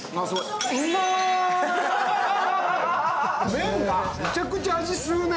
麺がめちゃくちゃ味、吸うね。